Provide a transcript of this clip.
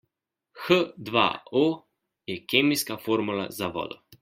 H dva O je kemijska formula za vodo.